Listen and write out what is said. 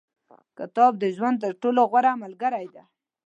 • کتاب، د ژوند تر ټولو غوره ملګری دی.